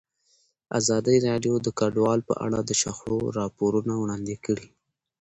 ازادي راډیو د کډوال په اړه د شخړو راپورونه وړاندې کړي.